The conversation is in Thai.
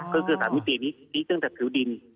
ก็คือ๓มิตินี้ดีตั้งแต่ผิวดิน